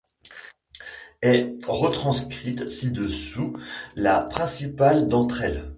Est retranscrite ci dessous la principale d'entre elles..